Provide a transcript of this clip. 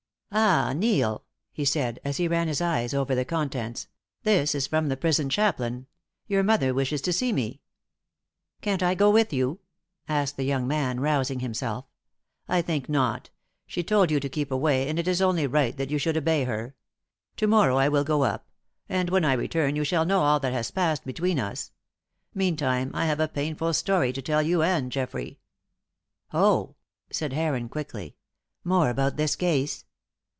"Ah, Neil," he said, as he ran his eyes over the contents, "this is from the prison chaplain. Your mother wishes to see me." "Can't I go with you?" asked the young man, rousing himself. "I think not. She told you to keep away, and it is only right that you should obey her. To morrow I will go up; and when I return you shall know all that has passed between us. Meantime, I have a painful story to tell you and Geoffrey. "Oh!" said Heron, quickly. "More about this case?"